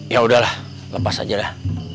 ya udahlah lepas aja lah